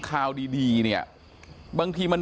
ฐานพระพุทธรูปทองคำ